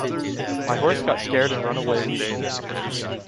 My horse got scared and run away leaving me here.